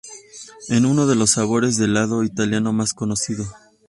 Es uno de los sabores de helado italianos más conocidos.